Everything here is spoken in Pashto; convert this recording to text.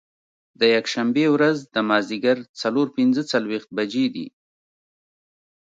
د یکشنبې ورځ د مازدیګر څلور پنځه څلوېښت بجې دي.